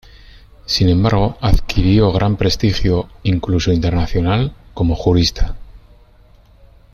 Sin embargo, adquirió gran prestigio, incluso internacional, como jurista.